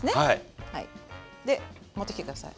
で持ってきて下さい。